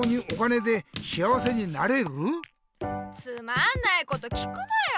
つまんないこと聞くなよ。